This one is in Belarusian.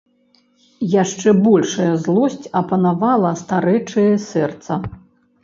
Яшчэ большая злосць апанавала старэчае сэрца.